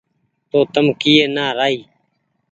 تو تم ڪيئي نآ رآئي